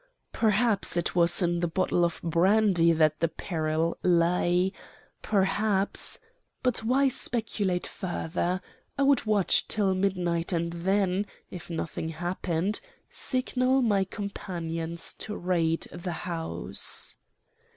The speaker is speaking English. Perhaps it was in the bottle of brandy that the peril lay; perhaps but why speculate further! I would watch till midnight and then, if nothing happened, signal my companions to raid the house.